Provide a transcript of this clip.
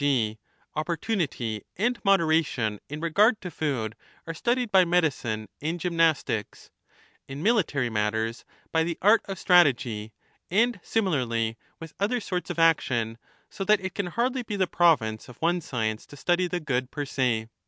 g. opportunity and moderation in regard to food are studied by medicine and gymnastics, in military matters by the art of strategy, 40 and similarly with other sorts of action, so that it can hardly L be the province of one science to study the good per se.